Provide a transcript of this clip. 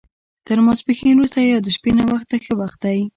تر ماسپښین وروسته یا د شپې ناوخته ښه وخت دی.